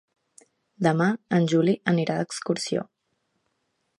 Demà en Juli anirà d'excursió.